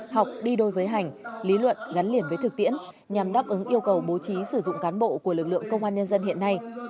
học đi đôi với hành lý luận gắn liền với thực tiễn nhằm đáp ứng yêu cầu bố trí sử dụng cán bộ của lực lượng công an nhân dân hiện nay